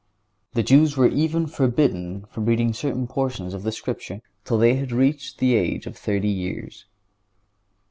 The Jews were even forbidden to read certain portions of the Scripture till they had reached the age of thirty years.